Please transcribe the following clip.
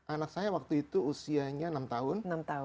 anak saya waktu itu usianya enam tahun